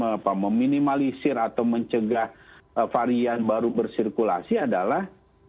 yang paling bisa meminimalisir atau mencegah varian baru bersirkulasi adalah